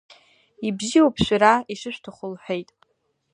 Ибзиоуп, шәара ишышәҭаху, — лҳәеит.